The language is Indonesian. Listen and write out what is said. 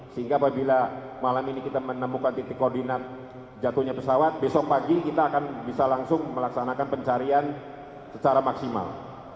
sehingga apabila malam ini kita menemukan titik koordinat jatuhnya pesawat besok pagi kita akan bisa langsung melaksanakan pencarian secara maksimal